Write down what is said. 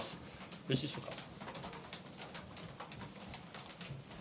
よろしいでしょうか。